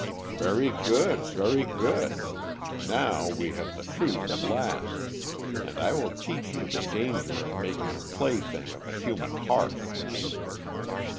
"Very good, very good. Now we have the truth at last, and I will teach you the danger of making a plaything of a human heart."